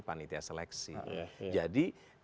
panitia seleksi jadi